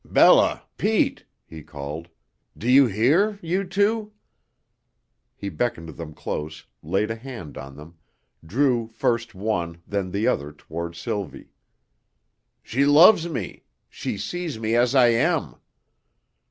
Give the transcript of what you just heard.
"Bella Pete," he called, "do you hear you two?" He beckoned them close, laid a hand on them, drew first one, then the other toward Sylvie. "She loves me. She sees me as I am!"